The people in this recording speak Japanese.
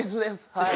はい。